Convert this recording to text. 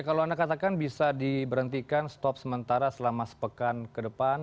kalau anda katakan bisa diberhentikan stop sementara selama sepekan ke depan